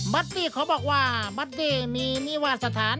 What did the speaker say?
ดี้เขาบอกว่าบัตตี้มีนิวาสถาน